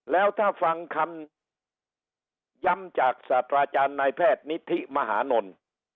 แล้วถ้าฟังคำย้ำจากศาสตราจารย์นายแพทย์นิธิมหานล